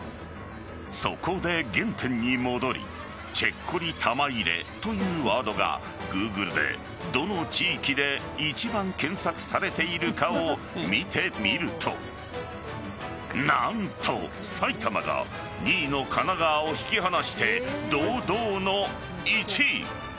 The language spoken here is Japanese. そこで、原点に戻りチェッコリ玉入れというワードがＧｏｏｇｌｅでどの地域で一番検索されているかを見てみると何と、埼玉が２位の神奈川を引き離して堂々の１位。